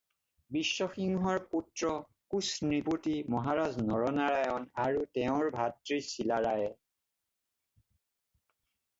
বিশ্বসিংহৰ পুত্ৰ কোচ নৃপতি মহাৰাজ নৰনাৰায়ণ আৰু তেওঁৰ ভাতৃ চিলাৰায়ে।